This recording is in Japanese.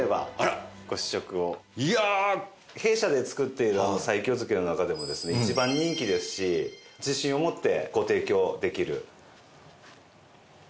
弊社で作っている西京漬けの中でもですね一番人気ですし自信を持ってご提供できる。